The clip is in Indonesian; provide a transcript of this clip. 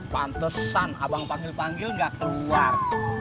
pantesan abang panggil panggil nggak keluar